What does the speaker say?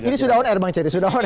ini sudah on air bang celi